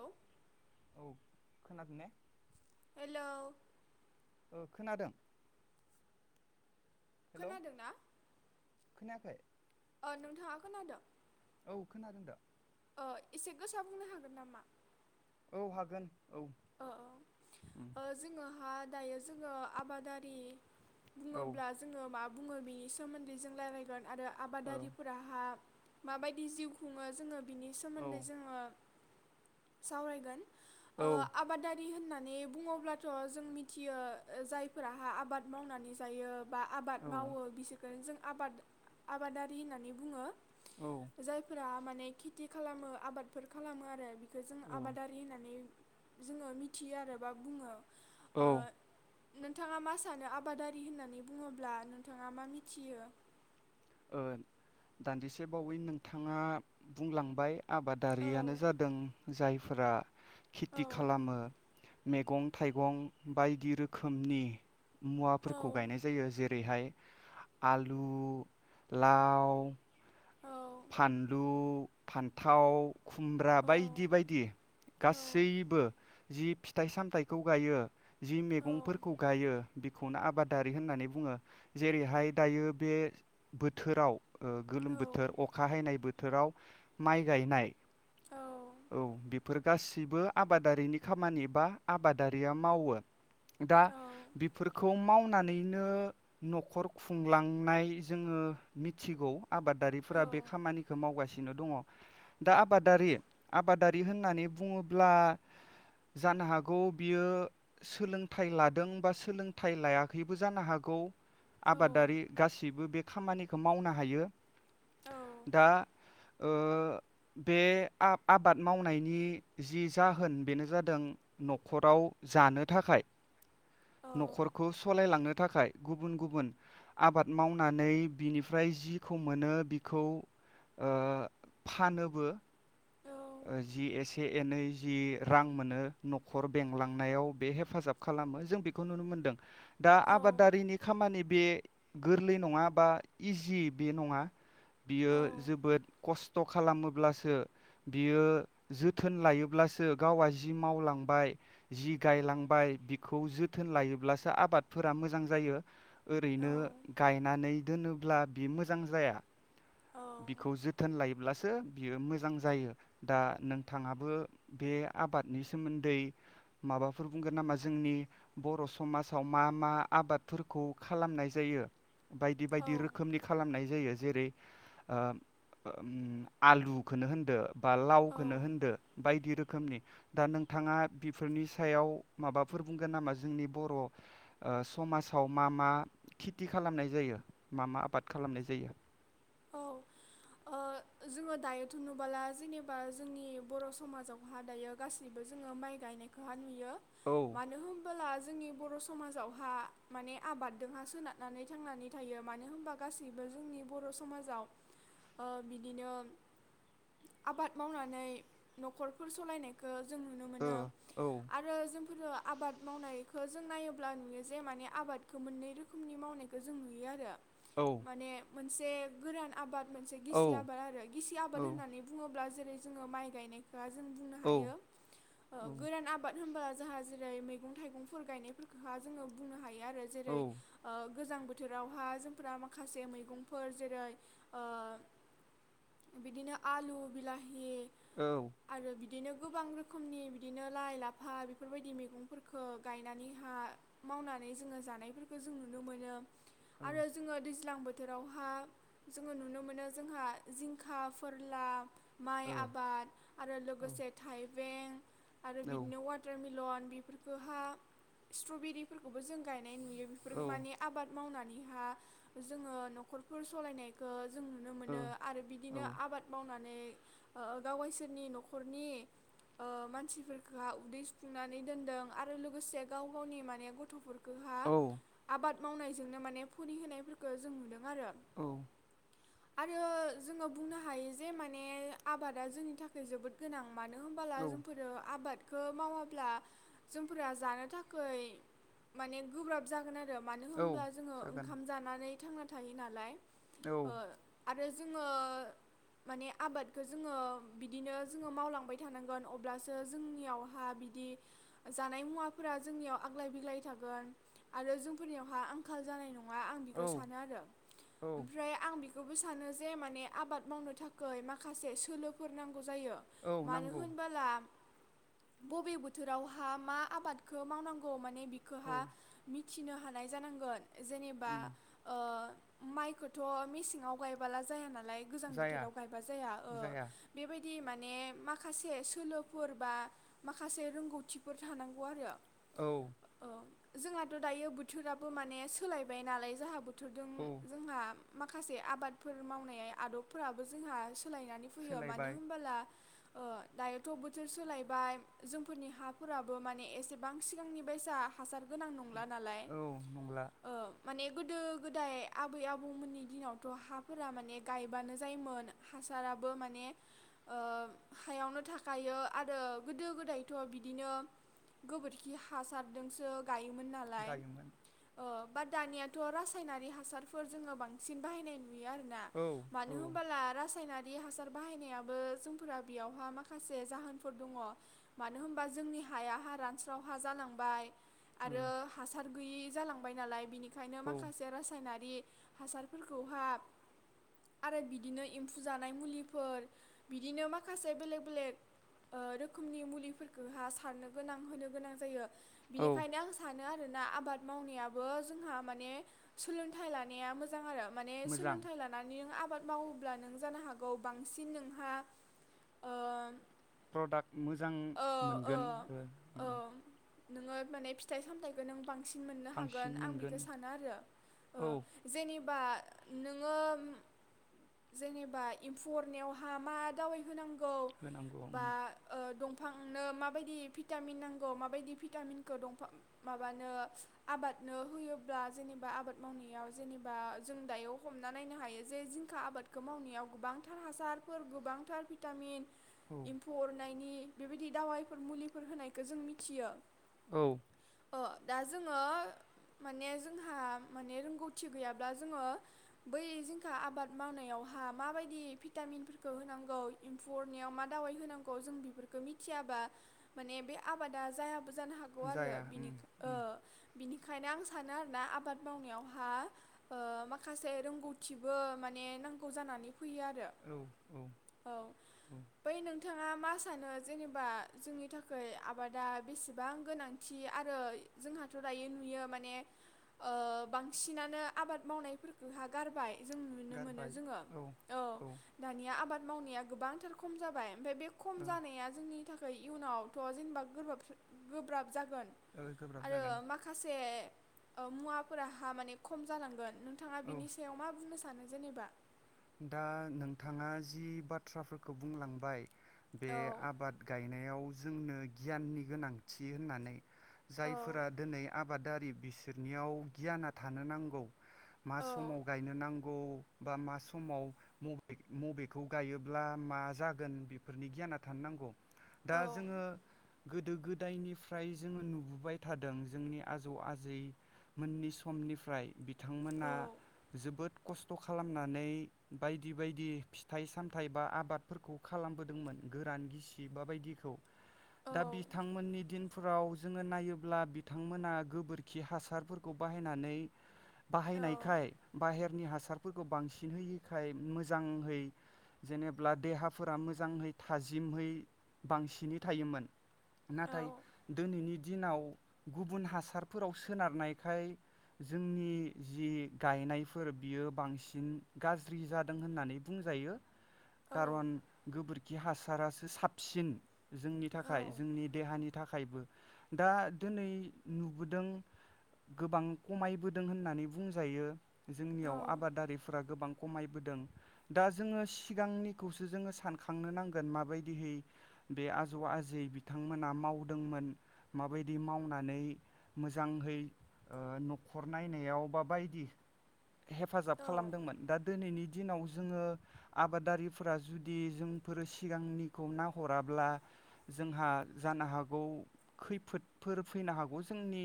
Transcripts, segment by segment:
औ। [inaudible] औ खोनादों ने? [inaudible] हेल'। ओ खोनादों। हेल' खोनादों खोनाखै [inaudible] अ नोंथाङा खोनादों? औ खोनादों दा [inaudible] ओ एसे गोसा बुंनो हागोन नामा? औ हागोन [inaudible] ओ उम ओ जोङोहा [inaudible] दायो जोङो आबादारि [inaudible] औ ओ बुङोब्ला जोङो मा [inaudible] बुङो बेनि सोमोन्दै जों राय्लायगोन [inaudible] आरो औ आबादारिफोराहा [inaudible] माबायदि जिउ खुङो जोङो [inaudible] बिनि औ सोमोन्दै जोङो [inaudible] सावरायगोन। [inaudible] औ। दारि होननानै बुङोब्लाथ' जों मिथियो जायफोराहा आबाद मावनानै जायो बा आबाद मावो औ बिसोरखोनो जों आबाद आबादारि होननानै बुङो। जायफोरा मान ने खेथि खालामो आबादफोर खालामो आरो। फाय जों औ आबादारि होननानै जोङो मिथियो आरो बा बुङो। ओ औ नोंथाङा मा सानो आबादारि होननानै बुङोब्ला नोंथाङा मा मिथियो? ओ दान्दिसे बावै नोंथाङा बुंलांबाय। औ आबादारियानो जादों जायफोरा औ खेथि खालामो मैगं थाइगं बायदि रोखोमनि औ मुवाफोरखौ गायनाय जायो जेरैहाय आलु लाव औ फानलु फान्थाव खुमब्रा औ बायदि बायदि औ गासैबो जि फिथाइ सामथाइखौ गायो जि मैगंफोरखौ गायो बेखौनो आबादारि होननानै बुङो जेरैहाय दायो बे बोथोराव ओ औ गोलोम बोथोर अख नाय बोथोराव माइ गायनाय। औ औ बेफोर गासिबो आबादारिनि खामानि बा आबादारिया मावो। दा औ बेफोरखौ मावनो नानैनो न'खर खुंलांनाय जोङो मिथिगौ। आबादारिफोरा बे खो मावगासिनो दङ दा आबादारि-आबादारि होननानै बुङोब्ला जानो हागौ बियो सोलोंथाइ लादों बा सोलोंथाइ लायाखैबो जानो हागौ। आबादारि गासिबो बे खामानिखौ मावनो हायो। औ दा ओ बे आ-आबाद मावनायनि जि जाहोन बेनो जादों न'खराव जानो थाखाय। न'खरखौ सलायलांनो थाखाय गुबुन गुबुन आबाद मावनानै बिनिफ्राय जिखौ मोनो बिखौ ओ फानोबो। ओ जि एसे एनै जि रां मोनो न'खर बेंलांनायाव बे हेफाजाब खालामो जों बेखौ नुनो मोनदों। दा आबादारिनि खामानि बे गोरलै नङा बा इजि बे नङा। बियो जोबोद खस्थ खस्थ' खालामोब्लासो बियो जोथोन लायोब्लासो गावआ जि मावलांबाय जि गायलांबाय बिखौ जोथोन लायोब्लासो आबादफोरा मोजां जायो। ओरैनो गायनानै दोनोब्ला बि मोजां जाया। बिखौ जोथोन लायोब्लासो बियो मोजां जायो। दा नोंथाङाबो बे आबादनि सोमोन्दै माबाफोर बुंगोन नामा? जोंनि बर' समाजाव मा मा आबादफोरखौ खालामनाय जायो। बायदि बायदि रोखोमनि खालामनाय जायो। जेरै ओ ओम आलुखो नो होनदो बा औ लावखौनो होनदो बायदि रोखोम रोखोमनि दा नोंथाङा बेफोरनि सायाव माबाफोर बुंगोन नामा? जोंनि बर' ओ समाजाव मा मा खिथि खालामनाय जायो मा मा आबाद खालामनाय जायो? औ ओ जोङो दायोथ' नबोला जेनेबा जोंनि बर' समाजावहा दायो गासैबो जोङो माइ गायनायखौ हा नुयो। नुयो औ मानो होमबोला जोंनि बर' समाजावहा माने आबाद दोंहा सोनारनानै थांनानै थायो मानो होनबा गासैबो जोंनि बर' स समाजाव ओ बिदिनो आबाद मावनानै न'खरफोर सालायनायखौ जों नुनो ओ मोनो औ आरो जों फोरो आबाद मावनायखो जों नायोब्ला नुयो जे माने आबादखो मोननै रोखोमनि मावनायखौ जों नुयो आरो। औ माने मोनसे गोरान आबाद मोनसे औ गिसि आबाद आरो गिसि औ आबाद होननानै बुङोब्ला जे ओमफ्राय जोङो माइ गायनाय दा जों बुंनो हायो ओ औ गोरान आबाद होनबा जोंहा जेरै मैगं थाइगंफोर गायनायफोरखो हा जोङो बुंनो हायो। आरो औ जेरै ओ गोजां बोथोरावहा जोंफोरा माखासे मैगंफोर जेरै ओ बिदिनो आलु बिला औ बिदिनो गोबां रोखोमनि बिदिनो लाइ लाफा बेफोरबायदि मैगंफोरखो गायनानै हा मावनानै जोङो जानायफोरखौ जों नुनो मोनो। आरो जोङो दैज्लां बोथो थोरावहा जोङो नुनो मोनो जोंहा जिंखा फोरला माइ आबाद आरो लोगोसे थाइ आरो बिदिनो वाटार मि लन बेफोरखौ हा स्ट्र'बेरिफोरखौबो जों गाय गायनाय नुयो बेफोरखौ माने आबाद मावना जोंहा जोंङो न'खरफोर सलायनाय गो जों नुनो मोनो आरो बिदिनो आबाद मावना नै ओ गाव गायसोरनि न'खरनि ओ मानसिफोरखौहा उदै सुफुंनानै दोनदों आरो लोगोसे गाव गावनि माने गथ'फोर गोहा आबाद मावनायजोंनो माने फरि होनायफोरखौ जों नुदों आरो। औ आरो जोङो बुंनो हायो जे माने आबादा जोंनि थाखाय जोबोद गोनां। मानो होमबाला औ जोंफोरो आबाद खौ मावाब्ला जोंफोरा जानो थाखै माने गोब्राब जागोन आरो। मानो औ होमब्ला जोङो जागोन ओंखाम जानानै थांना थायो नालाय औ ओ आरो जोङो माने आबादखौ जोङो बिदिनो जोङो मावलांबाय थानांगोन अब्लासो जोंनियावहा बिदि जानाय मुवाफोरा जोंनियाव आग्लाय बिग्लाय थागोन आरो जोंफोरनियावहा आंखाल जानाय नङा। ङा आं औ बिखौ सानो आरो औ ओमफ्राय आं बेखौबो सानो जे माने आबाद मावनो थाखाय माखासे सोलोफोर नांग ग जायो औ मानो नांगौ होनबोला बबे बोथोरावहा मा आबादखौ मावनांगौ माने औ बिखौहा मि थिनो हानाय जानांगोन। जेनेबा उम ओ माइखौथ थ' मेसेंआव गायबोला जाया ना लाय गोजां जाया बोथोराव गायबा जाया ओ जाया बेबाय दि माने माखासे सोलोफोर बा माखासे रोंगौथिफोर थानांगौ आरो। औ ओ जोंहाथ' दायो बोथोराबो माने सोलायबाय नालाय जोंहा बो थोदजों औ जोंहा माखासे आबादफोर मावनाय आदबफोराबो जोंहा सोलायनानै फैयो मानो सोलायबाय होनबोला ओ दायोथ' बोथोर सोलायबाय जोंफोरनि हाफोराबो माने एसेबां सिगांनि बायसा हासार गोनां नंला नालाय औ नंला ओ माने गोदो गोदाय आबै आबौमोननि दिनावथ' हाफोरा माने गायबानो जायोमोन हासाराबो माने ओ हायावनो थाखायो आरो गोदो गोदायथ' बिदिनो गोबोरखि हासारजोंसो गायोमोन नालाय गायोमोन ओ बाट दानियाथ' रासायनारि हासारफोर जोङो बां सिनबाहायनाय नुयो आरोना औ मानो ओ होनबोला रासायनारि बे हासार बाहायनायाबो जोंफोरा बेयावहा माखासे जाहोनफोर दङ मानो होनबा जोंनि हाया हा रानस्राव हा जालांबाय आरो औ हासार गैयि जालांबाय नालाय बिनि ओंखायनो माखासे रासायनारि बे हासारफोरखौहा आरो बिदिनो एम्फु जानाय मुलिफोर बिदिनो माखासे बेलेग बेलेग ओ रोखोमनि मुलिफोरखौ हा सारनो गोनां होनो गोनां जायो। औ बिनिखायनो आं सानो आरो ना आबाद मावनायाबो जोंहा माने सोलोंथाइ लानाया मोज [unintelligible] माने मोजां सोलोंथाइ लानानै आब आबाद मावोब्ला नों जानो हागौ बांसिन नोंहा ओम प्रडाक्ट मोजां मोनगोन ओ ओम। ओ नोङो माने फिथाइ सामथायखौ नों बां सिन मोननो हागोन बांसिन आं मोनगोन बेखौ सानो आरो ओ औ जेने बा नोङो जेनेबा एम्फु अरनायावहा मा दावाय होनां होनांगौ ओम। [inaudible] बिफांनो माबायदि भिटामिन नांगौ माबायदि भिटामिनखौ दंफां माबानो आबादनो होयोब्ला जेनेबा आबाद मावनायाव जेनेबा जों दायो हमना नायनो हायो जे जिंखा आबादखौ मावनायाव गोबांथार हासारफोर गोबांथार भिटामिन। औ एम्फु अरनायनि बेबायदि दावायफोर मुलिफोर होनायखौ जों मिथियो [inaudible] औ। अ दा जोङो माने जोंहा माने रोंगौथि गैया जोङो बै जिंखा मावनायाव हा मा बादि भिटामिनफोरखौ होनांगौ एम्फु अरनायाव मा दावाय होनांगौं जों बेफोरखौ मिथियाबा माने बे आबादा जायहा जानो हागौ आरो जाया उम बिनि ओ। उम बिनिखायनो आं सानो आरोना आबाद मावनायावहा ओ माखासे रोंगौथिबो माने नांगौ जानानै फैयो आरो औ औ बै नों थाङा मा सानो जेनेबा जोंनि थाखाय आबादा बेसेबां गोनांथि आरो जोंहाथ' दायो नुयो माने ओ बांसिनानो आबाद मावनायफोरखौहा गारबाय। जों नुनो मोनो जोङो औ दानिया आबाद मावनाया गोबांथार खम जाबाय। ओमफाय बे खम जानाया जोंनि थाख इयनावथ' जेनेबा गोब्राब- गोब्राब [inaudible] जागोन ओ गोब्राब आरो जागोन माखासे ओ मुवाफोरा हा माने ख खम जालांगोन। नोंथाङा औ बिनि सायाव मा बुंनो स सानो जेनेबा दा नोंथाङा जि बाथ्राफोरखौ बुंलांबाय। बे औ आबाद गायनायाव जोंनो गियाननि गोनांथि होननानै औ जायफोरा दिनै आब आबादारि बिसोरनियाव गियाना थानो नांगौ। मा औ समाव गायनो नांग गौ बा मास समाव मबे मबेखौ गायोब्ला मा जागोन बेफोरनि गियाना थानो नांगौ दा औ जोङो गोदो गोदायनिफ्राय जोङो नुबोबाय थादों जोंनि आजौ आजै मोननि समनिफ्राय बिथांमोना औ जोबोद खस्थ' खालामनानै बायदि बायदि फिथाइ सामथायाइ बा आबादफोरखौ खालामबोदोंमोन गोरान गिसि बा बायदिखौ दा बिथांमोननि दिनफोराव जोङो नायोब्ला बिथांमोना गोबोरखि हासारफोरखौ बाहायनानै बाहायनायखाय बाहेरनि हास हासारफोरखौ बांसिन होयो। खाय मोजांहै जेनेब्ला देहाफोरा मोजाङै थाजिमै बांसिनै थायोमोन। नाथाय दिनैनि दिनाव गुबुन हासारफोराव सोनारनायखाय जोंनि जि गायनायफोर बियो बांसिन गाज फ्रि जादों होननानै बुंजायो। कारन गबोर खि हासारासो साबसिन। जोंनि थाखाय जोंनि देहानि थाख थाखायबो दा दिनै नुबोदों गोबां खमायबोदों होननानै बुंजायो। जोंनियाव आबादारिफोरा गोबां। खमायदों, दा जोङो सिगांनिखौसो जोङो सानखांनो नांगोन माबायदिहै बे आजौ आजै बिथांमोना मावदोंमोन माबायदि मावनानै, मोजाङै ओ न'खर नायनायाव बाबायदि हेफाजाब खालामदोंमोन दा दिनैनि दिनाव जोङो आबादारिफोरा जुदि जोंफोरो सिगांनिखौ नाहराब्ला, जोंहा जानो हागौ खैफोदफोर फैनो हागौ जोंनि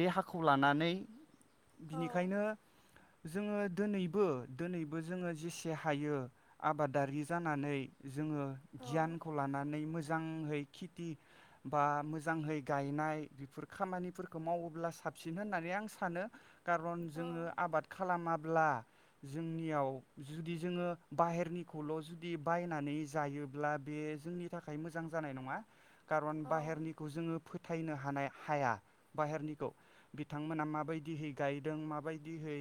देहाखौ लानानै बिनिखायनो जोङो दोनै बो दिनैबो जोङो जेसे हायो आबादारि जानानै जोङो गियानखौ लानानै मोज मोजांहै खेथि बा मोजांहै गायनाय बेफोर खामानिफोरखौ मावोब्ला साबसिन होननानै आं सानो। खारन जोङो आबाद खालामा मुला। जोंनियाव जुदि जोङो बाहेरनिखौल' जुदि बायनानै जायोब्ला बे जोंनि थाखाय मोजां जानाय नङा। खारन बाहेरनिखौ जोङो फोथायनो हानाय हाया, बाहेरनिखौ बिथांमोना माबायदिहै गायदों माबायदिहै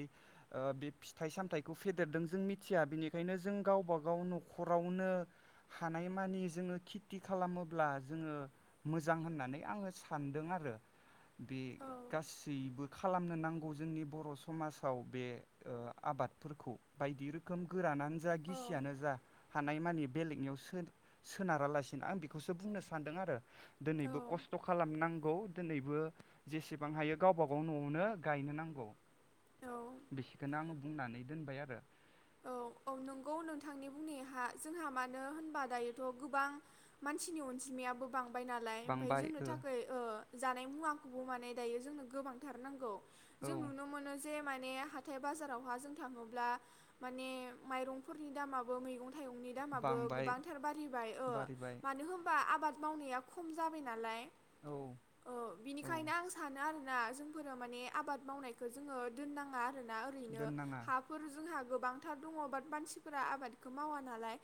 बे फिथाइ सामथाइखौ फेदेरदों जों मिथिया बेनिखायनो जों गावबा गाव न'खरावनो हानाय मानि जोङो खेथि खालामोब्ला जोङो मोजां होननानै आङो सानदों आरो। बे गासैबो खालामनो नांगौ जोंनि बर' समाजाव बे आबादफोरखौ बायदि रोखोम गोरान जा गिसियानो जा हानाय मानि। बेलेगनियाव सोनारालासिनो आं बेखौसो बुंनो सानदों आरो। दिनैबो खस्थ' खालामनांगौ दिनैबो जेसेबां हायो गावबा गाव न'आवनो गायनो नांगौ बिखौनो आं बुंनानै दोनबाय आरो। औ औ नंगौ नोंथांनि बुंनायहा जोंहा मानो होनबा दायोथ' गोबां मानसिनि अनजिमायाबो बां बाय नालाय बांबाय जोंनो ओ थाखै। जानाय मुवाखौबो माने दायो जोंनो गोबांथार नांगौ। औ जों नुनो मोनो। जे माने हाथाय बाजारावहा जों थाङोब्ला। माइरंफोरनि दामाबो मैगं थागंनि दामाबो बांबाय गोबाथार बारायबाय ओं बारिबाय मानो होनबा आबाद मावनाया खम जाबाय नालाय। औ औ औ बिनिखायनो आं सानो आरो जोंफोरा माने आबाद मावनायखौ जोङो दोननाङा आरो। ओरैनो दोननाङा हाफोर जोंहा गोबांथार दङ बाट मानसिफोरा आबादखौ मावा नालाय।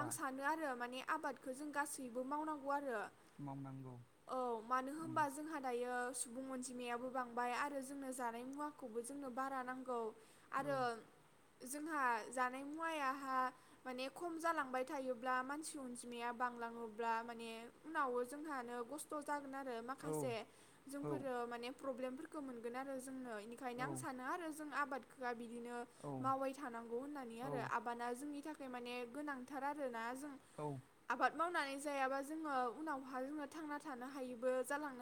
आं सानो आरो माने आबादखौ जों गासैबो मावनांगौ आरो। मावनांगौ औ मानो उम होमबा जोंहा दायो सुबुं अनजिमायाबो बांबाय आरो जोंनो जानाय मुवाखौबो जोंनो बारा नांगौ। आरो औ जोंहा जानाय मुवायाहा माने खम जालांबाय थायोब्ला मानसि अनजिमाया बांलाङोब्ला माने उनावबो जोंहानो खस्थ' जाग गोन आरो औ माखासे औ जोंफोरो माने प्रब्लेमफोरखौ मोनगोन आरो जोंनै बेनिखायनो औ आं सानो आरो जों आबादफोरा बिदिनो औ मावबाय थानांगौ होननानै आरो औ आबादा जोंनि थाख माने गोनांथार आरोना। जों औ। आबाद मावनानै जायाबा जोङो उनावहा जोङो थांना थानो हायैबो जालाङो।